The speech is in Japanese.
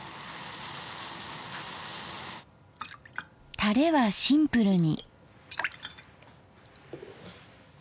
タレはシンプルに。